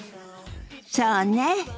そうね。